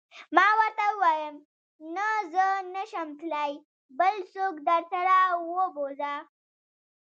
ما ورته وویل: نه، زه نه شم تلای، بل څوک درسره و بوزه.